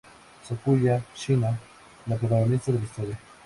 Sakuya Shiina: La protagonista de la historia.